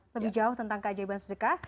lebih jauh tentang keajaiban sedekah